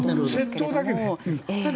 窃盗だけね。